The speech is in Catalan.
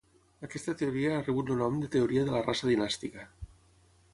Aquesta teoria ha rebut el nom de teoria de la raça dinàstica.